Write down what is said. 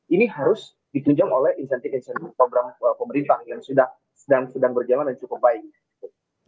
ini harus ditunjang oleh insentif insentif program pemerintah yang sedang berjalan dan cukup baik